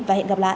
và hẹn gặp lại